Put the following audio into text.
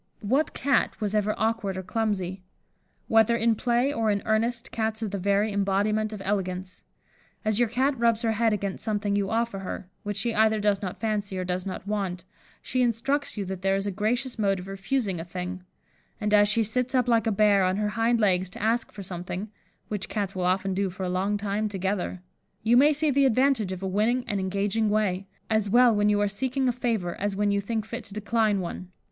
What Cat was ever awkward or clumsy? Whether in play or in earnest, Cats are the very embodiment of elegance. As your Cat rubs her head against something you offer her, which she either does not fancy or does not want, she instructs you that there is a gracious mode of refusing a thing; and as she sits up like a bear, on her hind legs, to ask for something (which Cats will often do for a long time together), you may see the advantage of a winning and engaging way, as well when you are seeking a favour as when you think fit to decline one.